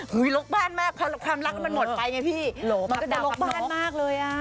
หลบบ้านมากความรักมันหมดไปไงพี่หลบดาวน์พับน็อกมันก็จะหลบบ้านมากเลย